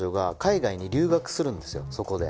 そこで。